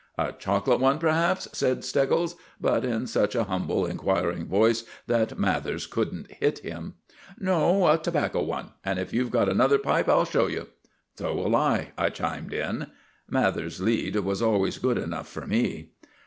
"A chocolate one, perhaps?" said Steggles, but in such a humble, inquiring voice that Mathers couldn't hit him. "No, a tobacco one; and if you've got another pipe I'll show you." "So will I," I chimed in. Mathers's lead was always good enough for me.